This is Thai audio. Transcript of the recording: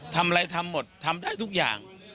ทำอะไรทำหมดทำได้ทุกอย่าง